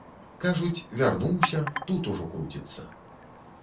Кажуць, вярнуўся, тут ужо круціцца.